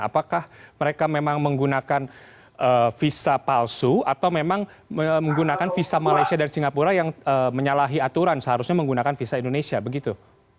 apakah mereka memang menggunakan visa palsu atau memang menggunakan visa malaysia dari singapura yang menyalahi aturan seharusnya menggunakan visa indonesia begitu